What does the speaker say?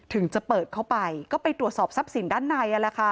ถึงจะเปิดเข้าไปก็ไปตรวจสอบทรัพย์สินด้านใน